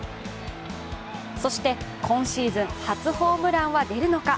そして、今シーズン初ホームランは出るのか。